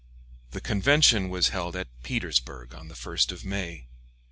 The convention was held at Petersburg on the 1st of May.